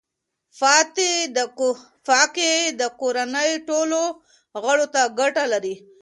پاکي د کورنۍ ټولو غړو ته ګټه لري.